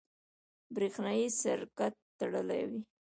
برېښنایي سرکټ تړلی وي.